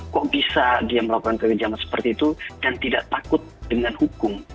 kok bisa dia melakukan kekejaman seperti itu dan tidak takut dengan hukum